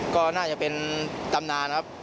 ก็น่าจะเป็นตำนานครับ